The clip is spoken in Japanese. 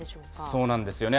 そうなんですよね。